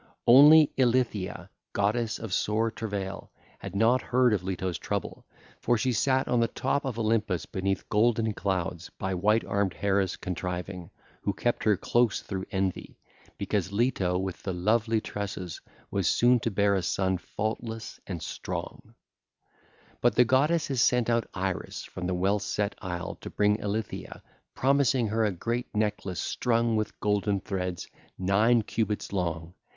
Only Eilithyia, goddess of sore travail, had not heard of Leto's trouble, for she sat on the top of Olympus beneath golden clouds by white armed Hera's contriving, who kept her close through envy, because Leto with the lovely tresses was soon to bear a son faultless and strong. (ll. 102 114) But the goddesses sent out Iris from the well set isle to bring Eilithyia, promising her a great necklace strung with golden threads, nine cubits long.